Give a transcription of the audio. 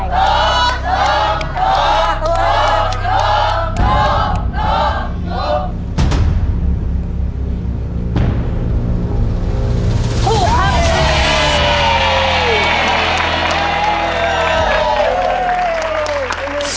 เย่